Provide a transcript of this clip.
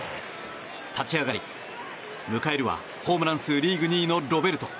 立ち上がり、迎えるはホームラン数リーグ２位のロベルト。